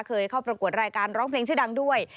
เคยเข้าประกวดรายการร้องเพลงชื่อดังด้วย